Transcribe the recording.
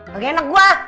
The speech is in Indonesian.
gak kayak enak gua